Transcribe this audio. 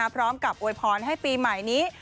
พร้อมกับโวยพรให้ปีใหม่นี้